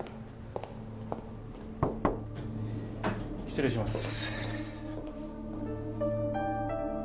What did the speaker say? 失礼します。